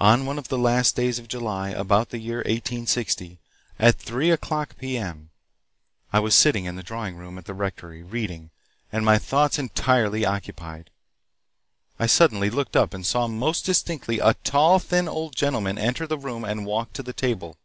"On one of the last days of July, about the year 1860, at 3 o'clock p.m., I was sitting in the drawing room at the Rectory, reading, and my thoughts entirely occupied. I suddenly looked up and saw most distinctly a tall, thin old gentleman enter the room and walk to the table.